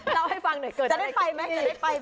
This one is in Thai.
จะได้ไปไหม